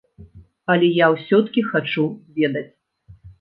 Але я ўсё-ткі хачу ведаць.